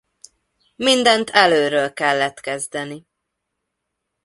Mindent elölről kellett kezdeni.